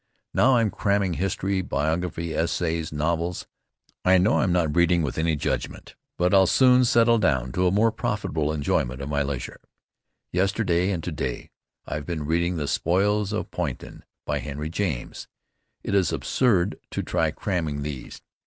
Now I'm cramming history, biography, essays, novels. I know that I'm not reading with any judgment but I'll soon settle down to a more profitable enjoyment of my leisure. Yesterday and to day I've been reading "The Spoils of Poynton," by Henry James. It is absurd to try cramming these.